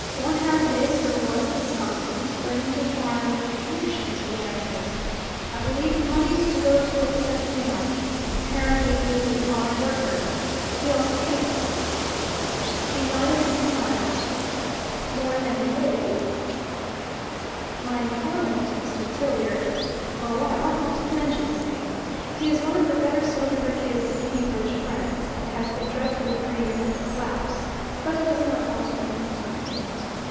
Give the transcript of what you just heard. "Wonham is or was in Scotland, learning to farm with connections of the Ansells: I believe the money is to go towards setting him up. Apparently he is a hard worker. He also drinks!" She nodded and smiled. "More than he did?" "My informant, Mr. Tilliard oh, I ought not to have mentioned his name. He is one of the better sort of Rickie's Cambridge friends, and has been dreadfully grieved at the collapse, but he does not want to be mixed up in it.